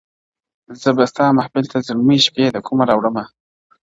زه به ستا محفل ته زلمۍ شپې له کومه راوړمه.!